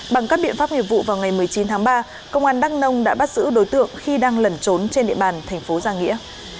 bằng các biện pháp nghiệp vụ vào ngày một mươi chín tháng ba công an đắk nông đã bắt giữ đối tượng khi đang lẩn trốn trên địa bàn thành phố giang nghĩa